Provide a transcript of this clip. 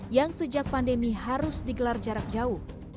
yang sejak pandemi harus digelar jarak jauh